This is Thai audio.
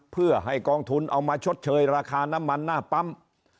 เพื่อให้กองทุนเอามาชดเชยราคาน้ำมันหน้าปั๊ม